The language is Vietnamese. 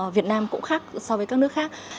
việt nam cũng khác so với các nước khác